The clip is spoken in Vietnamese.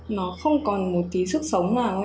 nó không còn một tí sức sống nào ấy